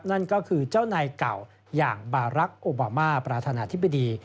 นั่นก็คือเจ้านายเก่าอย่างบารักษ์โอบามาประธานาธิบดี